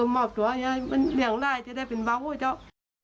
หมอบตัวในบ้านเรี่ยงลายน่าจะได้เป็นบังผู้เจ้า